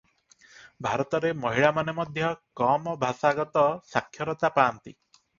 ଭାରତରେ ମହିଳାମାନେ ମଧ୍ୟ କମ ଭାଷାଗତ ସାକ୍ଷରତା ପାଆନ୍ତି ।